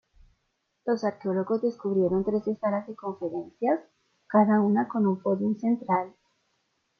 Los arqueólogos descubrieron trece salas de conferencias, cada una con un "podium" central.